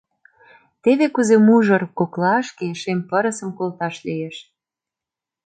Теве кузе мужыр коклашке шем пырысым колташ лиеш.